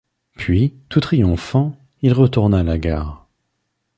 Puis, tout triomphant, il retourna à la gare.